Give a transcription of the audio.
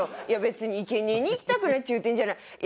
いや別に生贄に行きたくねえっちゅうてるんじゃない。